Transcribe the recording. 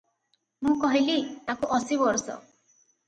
ମୁଁ କହିଲି- "ତାକୁ ଅଶୀ ବର୍ଷ ।